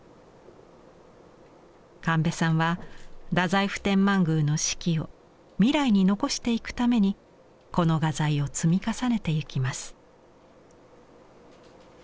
神戸さんは太宰府天満宮の四季を未来に残していくためにこの画材を積み重ねていきます。